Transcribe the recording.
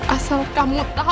asal kamu tau anaknya